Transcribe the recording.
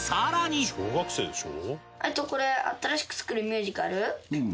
「小学生でしょ？」